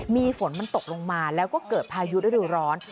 มีฝนมันตกลงมาแล้วก็เกิดพายุฤดูร้อน